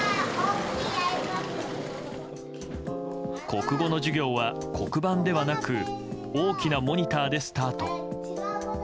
国語の授業は黒板ではなく大きなモニターでスタート。